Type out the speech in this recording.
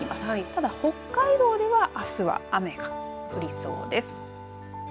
ただ北海道ではあすは雨が降りそうです。